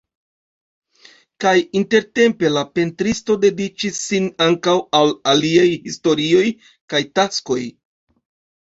Kaj intertempe la pentristo dediĉis sin ankaŭ al aliaj historioj kaj taskoj.